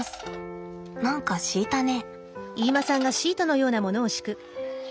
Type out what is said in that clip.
何か敷いたね。